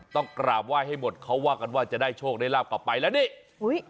กราบไหว้ให้หมดเขาว่ากันว่าจะได้โชคได้ลาบกลับไปแล้วนี่อุ้ย